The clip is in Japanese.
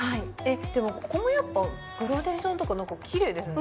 でもここもやっぱグラデーションとかキレイですね